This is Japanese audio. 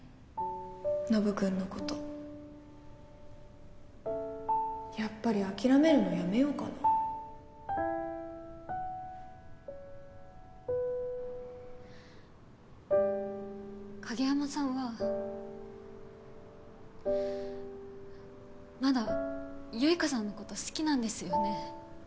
ノブ君のことやっぱり諦めるのやめようかな影山さんはまだ結花さんのこと好きなんですよね。